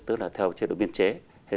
tức là theo chế độ viên chế